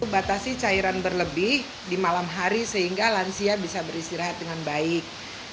batasi cairan berlebih di malam hari sehingga lansia bisa beristirahat dengan baik